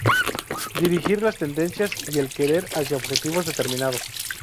Dirigir las tendencias y el querer hacia "objetivos" determinados.